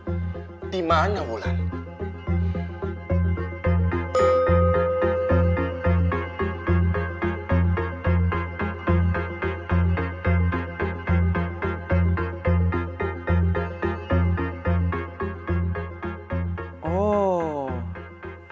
jadi saya gak bisa nelfonnya ya